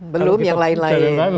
belum yang lain lain